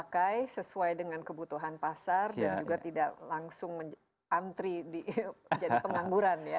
pakai sesuai dengan kebutuhan pasar dan juga tidak langsung antri jadi pengangguran ya